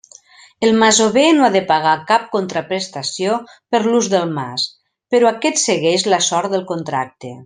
El masover no ha de pagar cap contraprestació per l'ús del mas, però aquest segueix la sort del contracte.